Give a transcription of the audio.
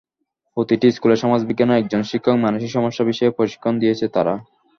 প্রতিটি স্কুলের সমাজবিজ্ঞানের একজন শিক্ষককে মানিসক সমস্যা বিষয়ে প্রশিক্ষণ দিয়েছে তারা।